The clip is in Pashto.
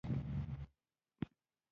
راځه چې ځو